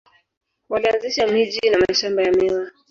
Walianzisha miji na mashamba ya miwa.